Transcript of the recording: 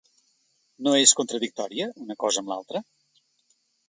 No és contradictòria, una cosa amb l’altra?